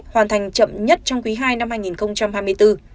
hoàn thành chậm nhất trong quý ii năm hai nghìn hai mươi bốn